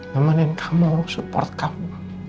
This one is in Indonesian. memanen kamu support kamu